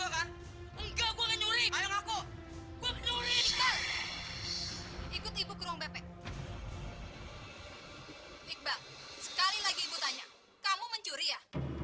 kamu mencuri ya